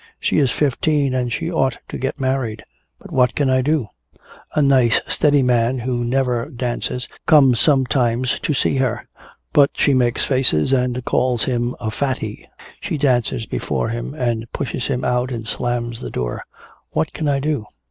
She is fifteen and she ought to get married. But what can I do? A nice steady man who never dances comes sometimes to see her but she makes faces and calls him a fatty, she dances before him and pushes him out and slams the door. What can I do?"